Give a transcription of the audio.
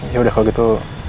yaudah kalau gitu